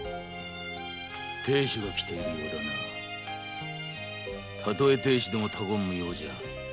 亭主が来ているようだなたとえ亭主でも他言無用じゃ。